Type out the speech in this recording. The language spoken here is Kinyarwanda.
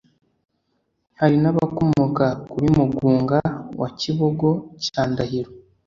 hari nabakomoka kuri mugunga wa kibogo cya ndahiro